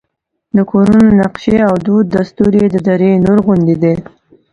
د کورونو نقشې او دود دستور یې د دره نور غوندې دی.